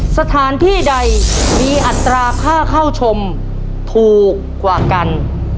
สถานที่ใดมีอัตราค่าเข้าชมถูกกว่ากัน